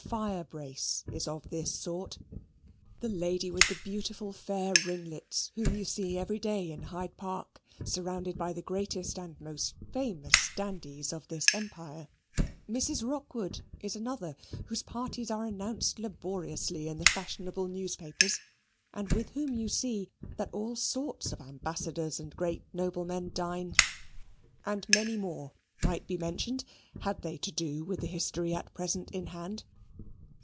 Firebrace is of this sort; the lady with the beautiful fair ringlets whom you see every day in Hyde Park, surrounded by the greatest and most famous dandies of this empire. Mrs. Rockwood is another, whose parties are announced laboriously in the fashionable newspapers and with whom you see that all sorts of ambassadors and great noblemen dine; and many more might be mentioned had they to do with the history at present in hand.